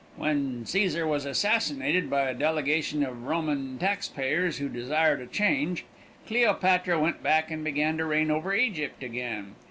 When Cæsar was assassinated by a delegation of Roman tax payers who desired a change, Cleopatra went back and began to reign over Egypt again.